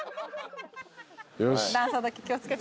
段差だけ気を付けて。